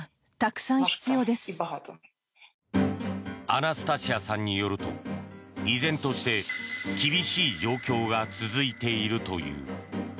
アナスタシアさんによると依然として厳しい状況が続いているという。